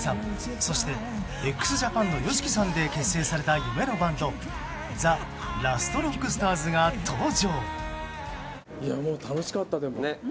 そして、ＸＪＡＰＡＮのＹＯＳＨＩＫＩさんで結成された夢のバンドＴＨＥＬＡＳＴＲＯＣＫＳＴＡＲＳが登場。